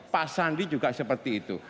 pak sandi juga seperti itu